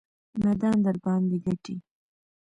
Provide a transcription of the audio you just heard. میدان درباندې ګټي.